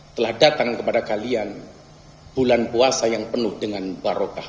telah datang kepada kalian bulan puasa yang penuh dengan barokah